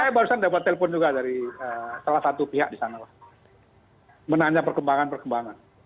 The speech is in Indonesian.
saya barusan dapat telepon juga dari salah satu pihak di sana menanya perkembangan perkembangan